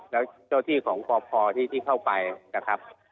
แล้วเจ้าที่ของปพที่เข้าไปนะครับ